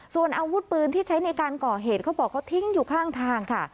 ส่วนอาวุธปืนที่ใช้ในการก่อเหตุเขาบอกเขาทิ้งอยู่ข้างทางค่ะ